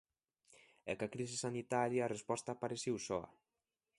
E coa crise sanitaria a resposta apareceu soa.